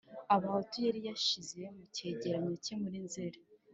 Abahutu yari yashyize mu cyegeranyo cye muri Nzeri